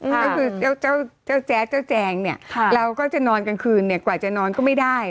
ก็คือเจ้าแจ๊ดเจ้าแจงเนี่ยเราก็จะนอนกลางคืนเนี่ยกว่าจะนอนก็ไม่ได้